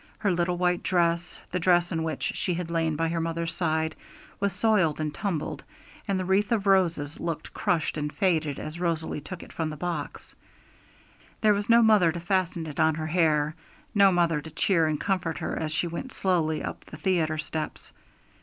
Her little white dress, the dress in which she had lain by her mother's side, was soiled and tumbled, and the wreath of roses looked crushed and faded, as Rosalie took it from the box There was no mother to fasten it on her hair, no mother to cheer and comfort her as she went slowly up the theatre steps.